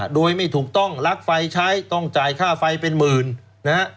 โดยไม่ถูกต้องลักไฟใช้ต้องจ่ายค่าไฟเป็นหมื่นนะฮะ